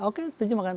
oke setuju makanan